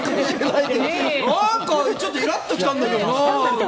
なんかちょっとイラッと来たんだけどな。